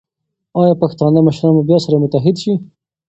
ایا پښتانه مشران به بیا سره متحد شي؟